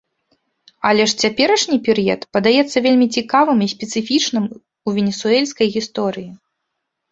Але ж цяперашні перыяд падаецца вельмі цікавым і спецыфічным у венесуэльскай гісторыі.